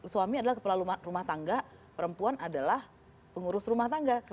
suami adalah kepala rumah tangga perempuan adalah pengurus rumah tangga